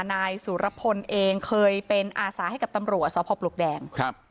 นายสุรพลเองเคยเป็นอาสาให้กับตำรวจสพปลวกแดงครับ